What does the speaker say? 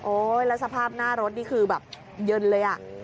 แล้วสภาพหน้ารถนี่คือแบบเย็นเลยอ่ะ